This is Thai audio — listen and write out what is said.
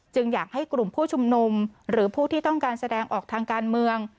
อยากให้กลุ่มผู้ชุมนุมหรือผู้ที่ต้องการแสดงออกทางการเมือง